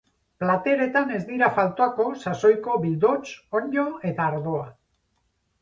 Plateretan, ez dira faltako sasoiko bildots, onddo eta ardoa.